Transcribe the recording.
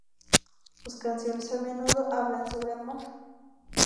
Sus canciones a menudo, hablan sobre amor.